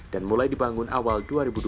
dan mulai dibangun awal dua ribu dua puluh